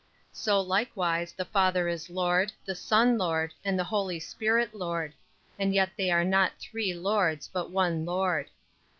17. So likewise the Father is Lord, the Son Lord, and the Holy Spirit Lord; 18. And yet they are not three Lords but one Lord.